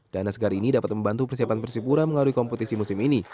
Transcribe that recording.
dana segar ini dapat membantu persiapan persipura melalui kompetisi musim ini